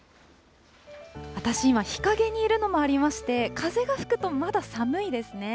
私今、日陰にいるのもありまして、風が吹くとまだ寒いですね。